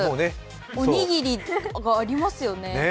おにぎりがありますよね。